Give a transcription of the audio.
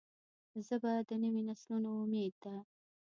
ژبه د نوي نسلونو امید ده